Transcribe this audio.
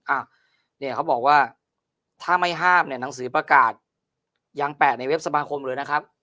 อ่ะเนี่ยเขาบอกว่าถ้าไม่ห้ามเนี่ยหนังสือประกาศยางแปะในเว็บสมาคมเลยนะครับ